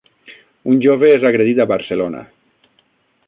Un jove és agredit a Barcelona